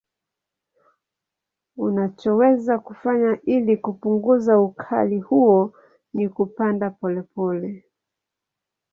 Unachoweza kufanya ili kupunguza ukali huo ni kupanda pole pole